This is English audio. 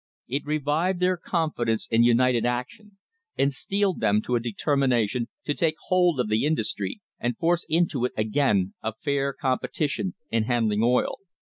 It revived their confidence in united action and steeled them to a determination to take hold of the industry and force into it again a fair competition in handling oil.